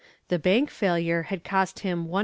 The bank failure had cost him $113,468.